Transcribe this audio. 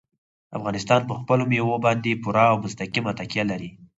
افغانستان په خپلو مېوو باندې پوره او مستقیمه تکیه لري.